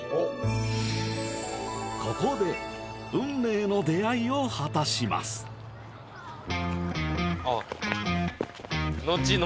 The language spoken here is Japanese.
ここで運命の出会いを果たしますああ！？